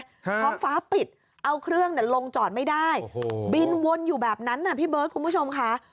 ท้องฟ้าปิดเอาเครื่องลงจอดไม่ได้โอ้โหบินวนอยู่แบบนั้นน่ะพี่เบิร์ดคุณผู้ชมค่ะ